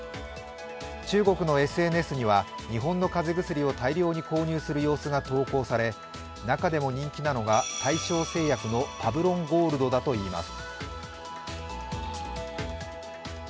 中国のＳＮＳには日本の風邪薬を大量に購入する様子が投稿され中でも人気なのが大正製薬のパブロンゴールドだといいます。